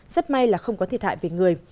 rất may là không có thiệt hại về người